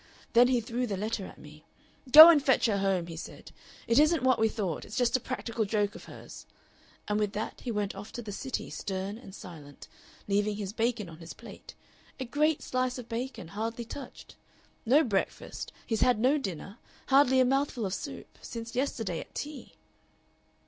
Then he threw the letter at me. 'Go and fetch her home,' he said; 'it isn't what we thought! It's just a practical joke of hers.' And with that he went off to the City, stern and silent, leaving his bacon on his plate a great slice of bacon hardly touched. No breakfast, he's had no dinner, hardly a mouthful of soup since yesterday at tea."